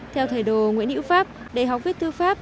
theo thầy đồ nguyện nữ pháp đại học viết thư pháp